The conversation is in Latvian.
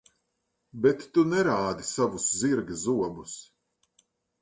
Bet tu nerādi savus zirga zobus.